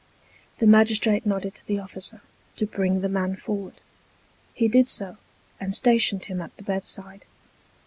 The magistrate nodded to the officer, to bring the man forward. He did so, and stationed him at the bedside.